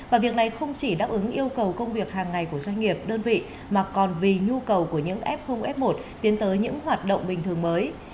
và việc này không chỉ đáp ứng yêu cầu công việc hàng ngày của doanh nghiệp đơn vị mà còn vì nhu cầu của những f f một tiến tới những hoạt động bình thường mới